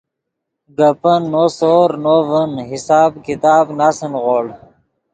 گپن نو سور نو ڤین حساب کتاب ناسے نیغوڑ